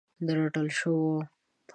د رټل شوو